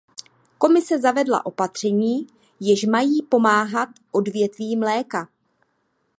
Komise zavedla opatření, jež mají pomáhat odvětví mléka.